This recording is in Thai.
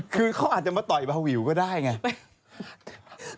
คือเขาอาจจะมาต่อยเบาวิวก็ได้ไง